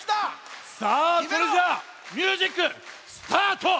さあそれじゃミュージックスタート！